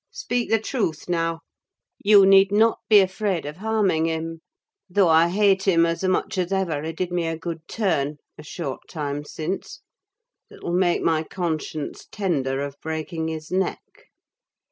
Speak the truth, now. You need not be afraid of harming him: though I hate him as much as ever, he did me a good turn a short time since that will make my conscience tender of breaking his neck.